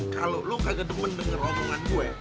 kalo lu kagak demen denger rontongan gue